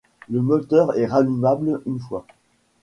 Le moteur est rallumable une fois.